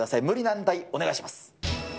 無理難題、お願いします。